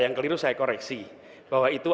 yang keliru saya koreksi bahwa itu